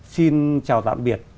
xin chào tạm biệt